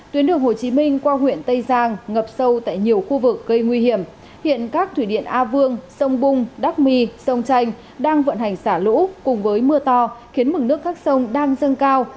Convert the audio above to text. tuyến đường hồ chí minh qua huyện tây giang ngập sâu tại nhiều khu vực gây nguy hiểm hiện các thủy điện a vương sông bung đắc my sông chanh đang vận hành xả lũ cùng với mưa to khiến mực nước các sông đang dâng cao